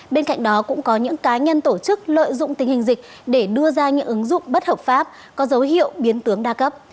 bên cạnh đó cũng có những cá nhân tổ chức lợi dụng tình hình dịch để đưa ra những ứng dụng bất hợp pháp có dấu hiệu biến tướng đa cấp